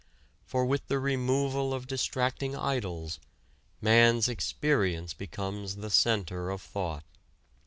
For with the removal of distracting idols, man's experience becomes the center of thought.